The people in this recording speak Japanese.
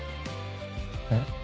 えっ。